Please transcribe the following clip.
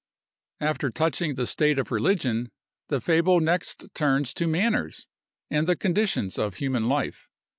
After thus touching the state of religion, the fable next turns to manners, and the conditions of human life.